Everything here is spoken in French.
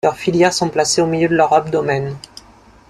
Leurs filières sont placées au milieu de leur abdomen.